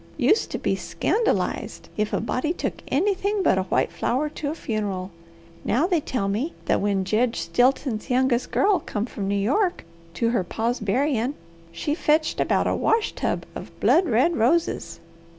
Used to be scandalized if a body took anythin' but a white flower to a funeral. Now they tell me that when Jedge Stilton's youngest girl come from New York to her pa's buryin' she fetched about a wash tub of blood red roses.